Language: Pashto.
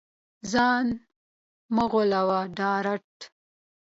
ځان مه غولوې ډارت